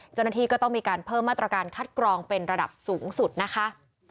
เจ้าหน้าที่ก็ต้องมีการเพิ่มมาตรการคัดกรองเป็นระดับสูงสุดนะคะ